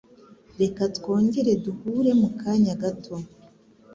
Reka twongere duhure mukanya gato